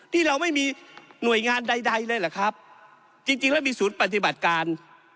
ที่เราไม่มีหน่วยงานใดเลยเหรอครับจริงจริงแล้วมีศูนย์ปฏิบัติการ